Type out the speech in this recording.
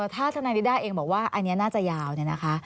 ถ้าธนายนิด้าเองบอกว่าอันนี้น่าจะยาวเนี่ยนะคะ